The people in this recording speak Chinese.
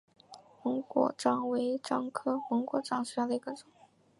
檬果樟为樟科檬果樟属下的一个种。